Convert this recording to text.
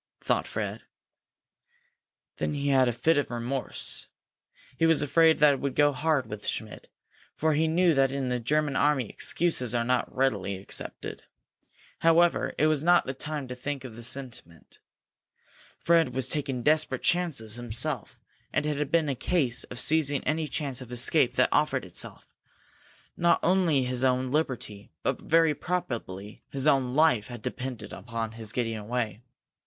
thought Fred. Then he had a fit of remorse. He was afraid that it would go hard with Schmidt, for he knew that in the German army excuses are not readily accepted. However, it was not a time to think of sentiment. Fred was taking desperate chances himself, and it had been a case of seizing any chance of escape that offered itself. Not only his own liberty, but very probably his own life had depended upon his getting away.